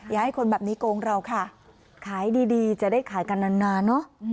ให้คนแบบนี้โกงเราค่ะขายดีจะได้ขายกันนานเนอะ